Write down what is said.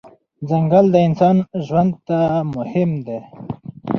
ځنګل د انسان ژوند ته مهم دی.